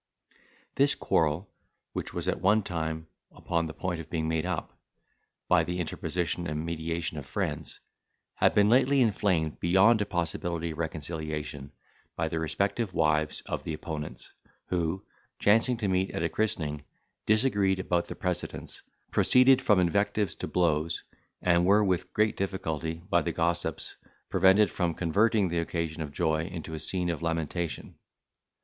This quarrel which was at one time upon the point of being made up, by the interposition and mediation of friends, had been lately inflamed beyond a possibility of reconciliation by the respective wives of the opponents, who, chancing to meet at a christening, disagreed about precedence, proceeded from invectives to blows, and were with great difficulty, by the gossips, prevented from converting the occasion of joy into a scene of lamentation.